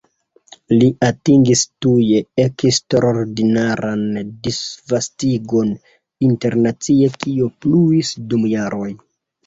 Ili atingis tuje eksterordinaran disvastigon internacie kio pluis dum jaroj.